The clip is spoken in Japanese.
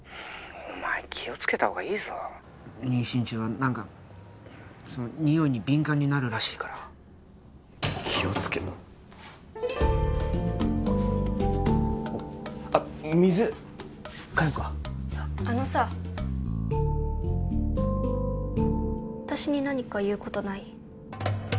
☎お前気をつけたほうがいいぞ妊娠中は何かそのにおいに敏感になるらしいから気をつけあっ水かえようかあのさ私に何か言うことない？